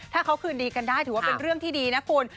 ถ้าเขาคืนดีกันได้ถือว่าเป็นเรื่องที่ดีนะคุณ